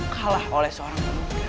kalah oleh seorang